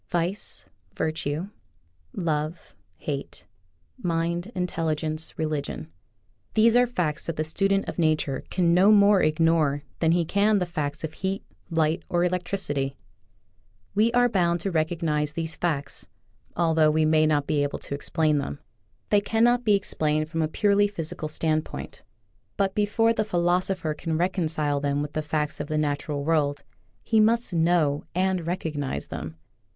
Vice, virtue, love, hate, mind, intelli gence, religion — these are facts that the student of nature can no more ignore than he can the facts of heat, light, or electricity. We are bound to recognize these facts, although we may not be able to explain them. They can not be explained from a purely physical stand Oriyinal from UNIVERSITY OF WISCONSIN EnerflB— Its "Relation to Xitc. 55 point, but before the philosopher can recon cile them with the facts of the natural world he must know and recognize them.